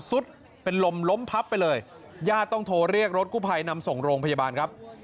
สุดเป็นลมล้มพับไปเลยญาติต้องโทรเรียกรถกู้ภัยนำส่งโรงพยาบาลครับ